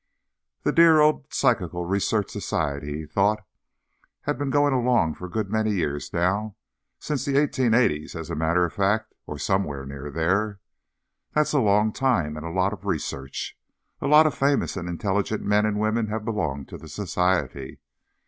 The dear old Psychical Research Society, he thought, _had been going along for a good many years now—since the 1880's, as a matter of fact, or somewhere near there. That's a long time and a lot of research. A lot of famous and intelligent men and women have belonged to the Society.